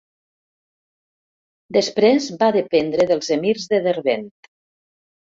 Després va dependre dels emirs de Derbent.